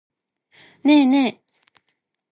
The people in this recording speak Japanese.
ねえねえ。